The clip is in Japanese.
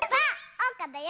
おうかだよ！